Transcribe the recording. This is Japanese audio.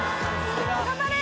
・頑張れ！